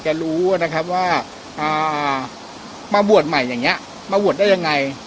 จะรู้อ่ะนะครับว่าอ่ามาบวชใหม่อย่างเงี้ยมาบวชได้ยังไง